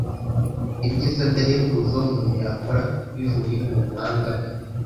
Ibyiza by’agahebuzo umuntu yakora bivuye mu buhanga bwe